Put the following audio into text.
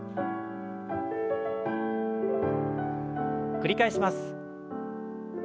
繰り返します。